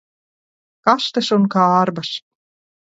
Kastes un kārbas.